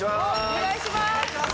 お願いします。